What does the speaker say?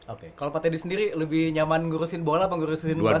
oke kalau pak teddy sendiri lebih nyaman ngurusin bola apa ngurusin bola